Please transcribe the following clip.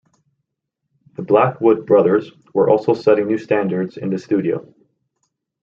The Blackwood Brothers were also setting new standards in the studio.